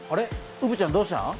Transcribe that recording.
うぶちゃんどうしたん？